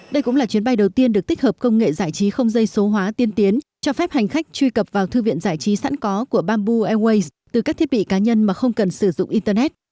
đây cũng là chuyến bay đầu tiên được tích hợp công nghệ giải trí không dây số hóa tiên tiến cho phép hành khách truy cập vào thư viện giải trí sẵn có của bamboo airways từ các thiết bị cá nhân mà không cần sử dụng internet